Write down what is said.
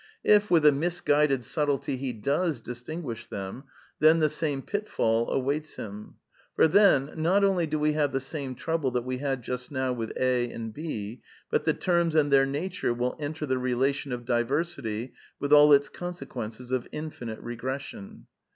If, with a mis guided subtlety, he does distinguish them, then the same pitfall awaits him. For then, not only do we have the same trouble that we had just now with A and B, but the terms and their nature will enter the relation of diversity with all its consequences of infinite regression.